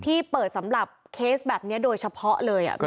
ที่เปิดสำหรับเคสแบบนี้โดยเฉพาะเลย